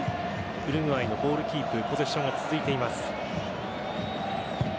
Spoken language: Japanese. ウルグアイのボールキープポゼッションが続いています。